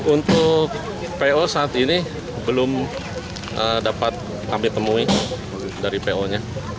untuk po saat ini belum dapat kami temui dari po nya